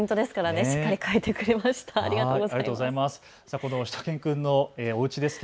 ありがとうございます。